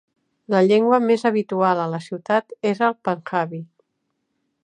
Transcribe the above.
La llengua més habitual a la ciutat és el panjabi.